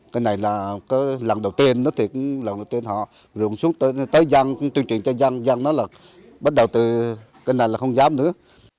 cây này là lần đầu tiên lần đầu tiên họ rừng xuống tới giang tuyên truyền cho giang giang nó là bắt đầu từ cây này là không dám nữa